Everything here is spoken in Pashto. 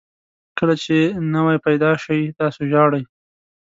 کله چې نوی پیدا شئ تاسو ژاړئ.